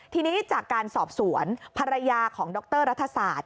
ทีนี้จากการสอบสวนภรรยาของดรรัฐศาสตร์